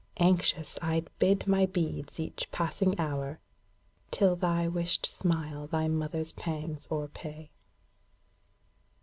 Anxious I 'd bid my beads each passing hour, Till thy wished smile thy mother's pangs o'erpay.